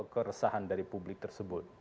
keresahan dari publik tersebut